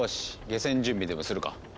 下船準備でもするか。